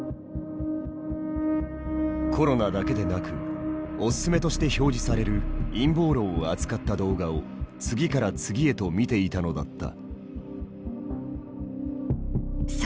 コロナだけでなくおすすめとして表示される陰謀論を扱った動画を次から次へと見ていたのだった。